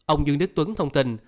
ông dương đức tuấn thông tin